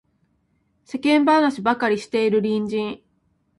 世間話ばかりしている隣人